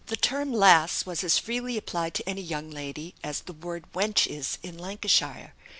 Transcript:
The term 'lass,' was as freely applied to any young lady, as the word 'wench' is in Lancashire.